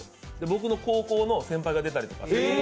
僕の高校の先輩が出たりとか。